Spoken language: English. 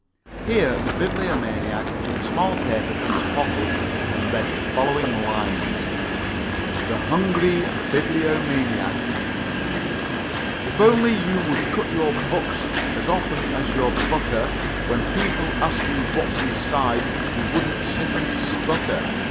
Here the Bibliomaniac took a small paper from his pocket and read the following lines: "THE HUNGRY BIBLIOMANIAC "If only you would cut your books As often as your butter, When people ask you what's inside You wouldn't sit and sputter.